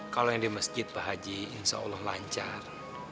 kalau yang di masjid pak haji insya allah lancar